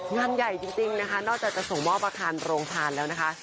การใหญ่จริงนอกจากจะสงมอบอธรรม้าภานแล้วนะคะ